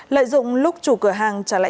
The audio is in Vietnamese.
lợi dụng lúc chủ cửa hàng trả lời